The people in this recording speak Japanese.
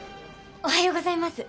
おはようございます。